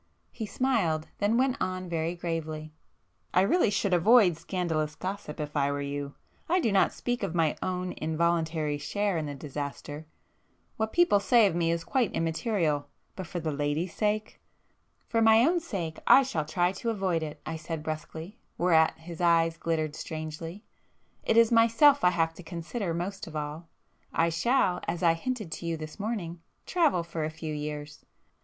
He smiled,—then went on very gravely—"I really should avoid scandalous gossip if I were you,—I do not speak of my own involuntary share in the disaster,—what people say of me is quite immaterial; but for the lady's sake——" "For my own sake I shall try to avoid it;" I said brusquely, whereat his eyes glittered strangely—"It is myself I have to consider most of all. I shall, as I hinted to you this morning, travel for a few years."